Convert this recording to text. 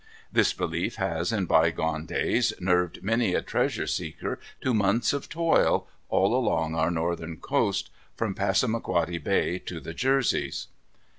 This belief has, in bygone days, nerved many a treasure seeker to months of toil, all along our northern coast, from Passamaquoddy Bay to the Jerseys.